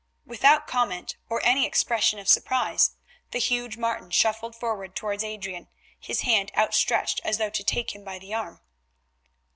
Without comment or any expression of surprise, the huge Martin shuffled forward towards Adrian, his hand outstretched as though to take him by the arm.